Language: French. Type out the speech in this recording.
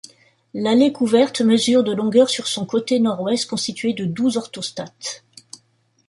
L'allée couverte mesure de longueur sur son côté nord-ouest constitué de douze orthostates.